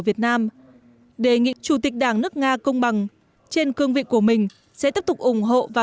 việt nam đề nghị chủ tịch đảng nước nga công bằng trên cương vị của mình sẽ tiếp tục ủng hộ và